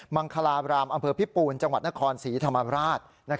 มังคลาบรามอำเภอพิปูนจังหวัดนครศรีธรรมราช